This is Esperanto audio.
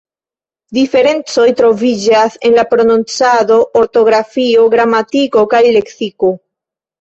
Diferencoj troviĝas en la prononcado, ortografio, gramatiko kaj leksiko.